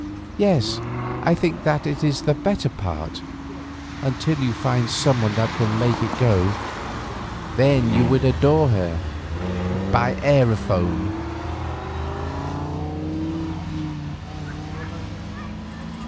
Yes, I think that it is the better part—until you find someone that will make it go—and then you would adore her—by aerophone!"